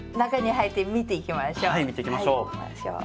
はい見ていきましょう。